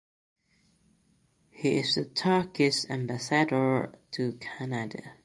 He is the Turkish ambassador to Canada.